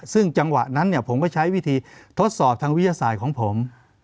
ซึ่งจังหวะนั้นผมก็ใช้วิธีทดสอบทางวิทยาศาสตร์ของผม